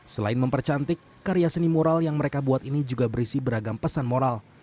selain mempercantik karya seni mural yang mereka buat ini juga berisi beragam pesan moral